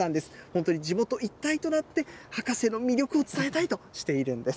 本当に地元一体となって、博士の魅力を伝えたいとしているんです。